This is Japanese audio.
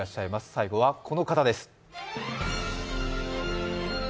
最後は、この方です。